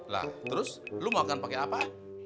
lah terus lo mau makan pakai apa